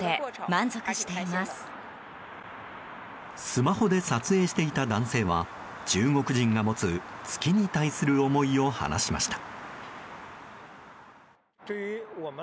スマホで撮影していた男性は中国人が持つ月に対する思いを話しました。